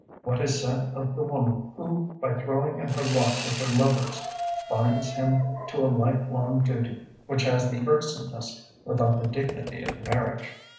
what is said of the woman who, by throwing in her lot with her lover's, binds him to a lifelong duty which has the irksomeness without the dignity of marriage.